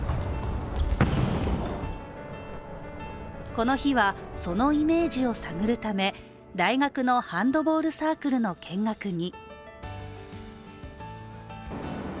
この日は、そのイメージを探るため、大学のハンドボールサークルの見学に。